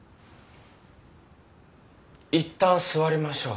いったん座りましょう。